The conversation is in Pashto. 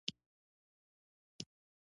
که ته همدا اوس همدغه خط لوستلی شې.